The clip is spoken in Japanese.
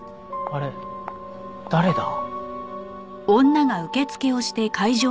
あれ誰だ？